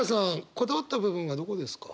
こだわった部分はどこですか？